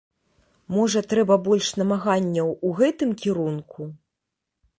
Можа, трэба больш намаганняў у гэтым кірунку?